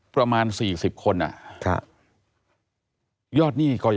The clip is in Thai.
ตั้งแต่ปี๒๕๓๙๒๕๔๘